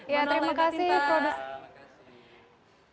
ya terima kasih